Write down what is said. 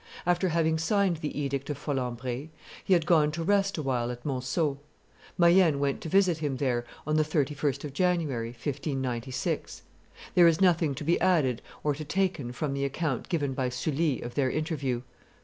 After having signed the edict of Folembray, he had gone to rest a while at Monceaux. Mayenne went to visit him there on the 31st of January, 1596. There is nothing to be added to or taken from the account given by Sully of their interview.